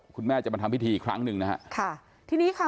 คุณแม่จะมาทำพิธีอีกครั้งหนึ่งนะฮะค่ะทีนี้ค่ะ